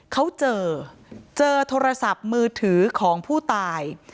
เขาเจอเจอโทรศัพท์มือถือของผู้ตาย